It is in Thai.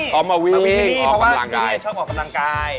เพราะว่าที่นี่ชอบเอากำลังกาย